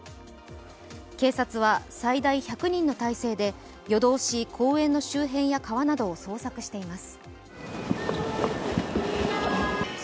警察は最大１００人の態勢で夜通し、周辺の川などを捜索しています。